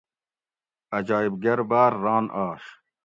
عجایٔب گھر باۤر ران آش